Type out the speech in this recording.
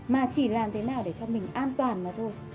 mà chỉ làm thế nào để cho mình an toàn mà thôi